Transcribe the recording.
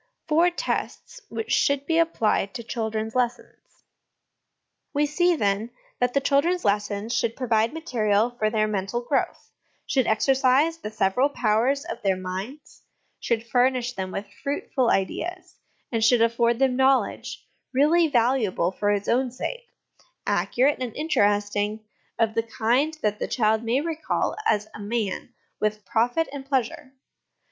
Four Tests which should be applied to Children's Lessons. We see, then, that the children's lessons should provide material for their mental growth, should exercise the several powers of their minds, should furnish them with fruitful ideas, and should afford them knowledge, really valuable for its own sake, accurate, and interesting, of the kind that the child may recall as a man with profit and pleasure.